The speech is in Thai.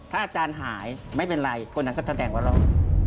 ถ้าอาจารย์หายไม่เป็นไรคนนั้นก็แสดงว่ารอด